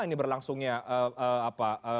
ini berlangsungnya apa